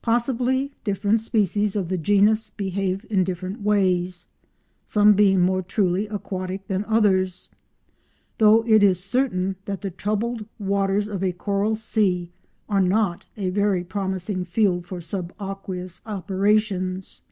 Possibly different species of the genus behave in different ways, some being more truly aquatic than others, though it is certain that the troubled waters of a coral sea are not a very promising field for sub aqueous operations.